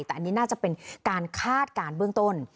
แต่อันนี้น่าจะเป็นการคาดการณ์เบื้องต้น